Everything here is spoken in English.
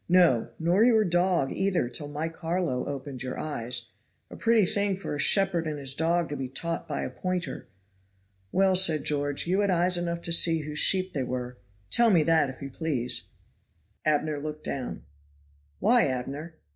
"No, nor your dog either till my Carlo opened your eyes. A pretty thing for a shepherd and his dog to be taught by a pointer. Well," said George, "you had eyes enough to see whose sheep they were. Tell me that, if you please?" Abner looked down. "Why, Abner?"